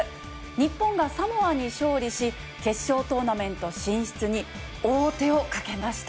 日本がサモアに勝利し、決勝トーナメント進出に王手をかけました。